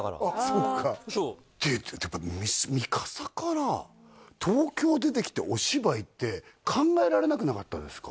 そっかそうで三笠から東京出てきてお芝居って考えられなくなかったですか？